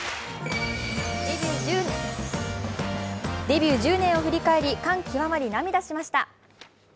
デビュー１０年を振り返り、感極まり、涙しました。